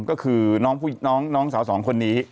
ก็คือน้องสาวสองคนนี้